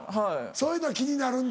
そういうの気になるんだ。